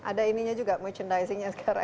ada ini nya juga merchandising nya sekarang